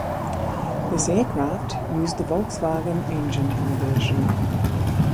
This aircraft used a Volkswagen engine conversion.